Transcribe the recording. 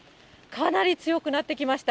かなり強くなってきました。